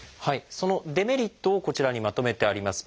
そのデメリットをこちらにまとめてあります。